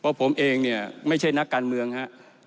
เพราะผมเองเนี่ยไม่ใช่นักการเมืองฮะ